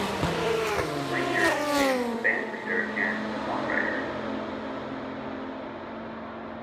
Langer became the band leader and the songwriter.